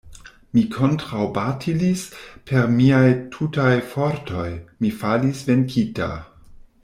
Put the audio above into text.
Mi kontraŭbatalis per miaj tutaj fortoj: mi falis venkita.